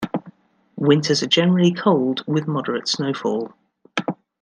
Winters are generally cold with moderate snowfall.